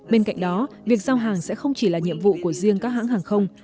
bên cạnh đó việc giao hàng sẽ không chỉ là nhiệm vụ của riêng các hãng hàng không